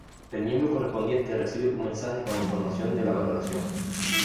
El miembro correspondiente recibe un mensaje con la información de la valoración.